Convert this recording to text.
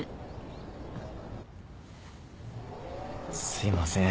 すいません。